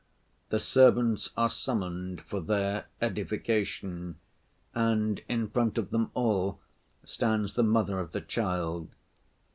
The servants are summoned for their edification, and in front of them all stands the mother of the child.